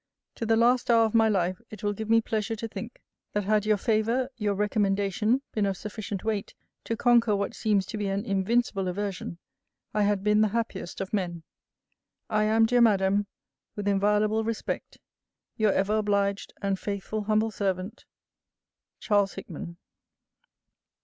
To the last hour of my life, it will give me pleasure to think, that had your favour, your recommendation, been of sufficient weight to conquer what seems to be an invincible aversion, I had been the happiest of men. I am, dear Madam, with inviolable respect, your ever obliged and faithful humble servant, CHARLES HICKMAN.